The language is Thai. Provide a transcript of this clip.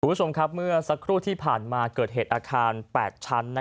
คุณผู้ชมครับเมื่อสักครู่ที่ผ่านมาเกิดเหตุอาคาร๘ชั้น